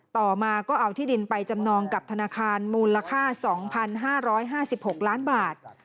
ต่อมาก็เอาที่ดินไปจำนองกับธนาคารมูลค่า๒๕๕๖ล้านบาท